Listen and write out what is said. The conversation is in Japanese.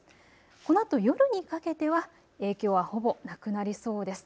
このあと夜にかけては影響はほぼなくなりそうです。